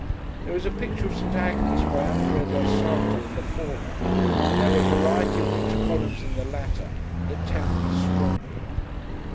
There is a picture of St. Agnes, by Andrea del Sarto, in the former, and there are a variety of rich columns in the latter, that tempt me strongly.